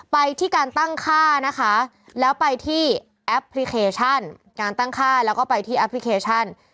ไปที่การตั้งค่านะคะแล้วไปที่แอปพลิเคชันการตั้งค่าแล้วก็ไปที่แอปพลิเคชัน